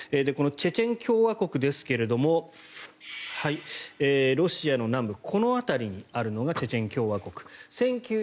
このチェチェン共和国ですがロシアの南部この辺りにあるのがチェチェン共和国。